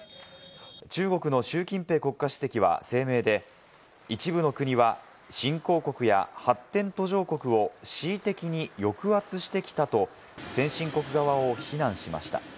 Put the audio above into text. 中国のシュウ・キンペイ国家主席は声明で、一部の国は新興国や発展途上国を恣意的に抑圧してきたと、先進国側を非難しました。